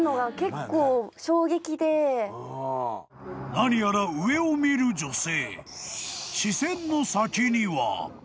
［何やら上を見る女性］